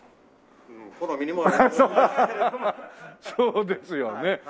そうですよね。